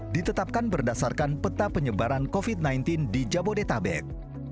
ditetapkan berdasarkan peta penyebaran covid sembilan belas di jabodetabek